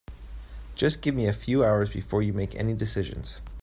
Just give me a few hours before you make any decisions.